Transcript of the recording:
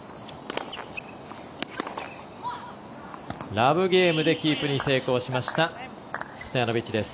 ラブゲームでキープに成功したストヤノビッチです。